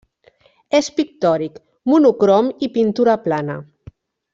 És pictòric, monocrom i pintura plana.